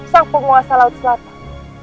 sang penguasa laut selatan